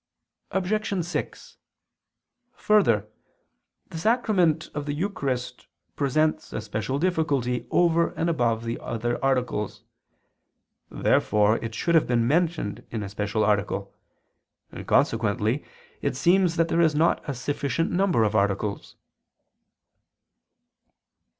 Obj. 6: Further, the sacrament of the Eucharist presents a special difficulty over and above the other articles. Therefore it should have been mentioned in a special article: and consequently it seems that there is not a sufficient number of articles.